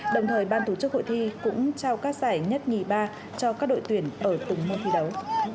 đồng thời ban tổ chức hội thi cũng trao các giải nhất nhì ba cho các đội tuyển ở từng môn thi đấu